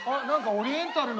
オリエンタルな。